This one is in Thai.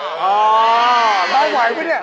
อ๋อบังไหวไหมนี่